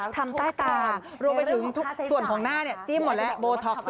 ทำใต้ตารวมไปถึงส่วนของหน้าจิ้มหมดแล้ว